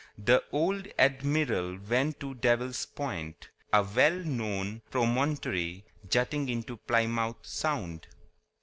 The old admiral went to Devil's Point, a well known promontory jutting into Plymouth Sound.